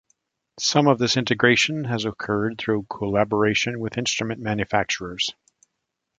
Some of this integration has occurred through collaboration with instrument manufacturers.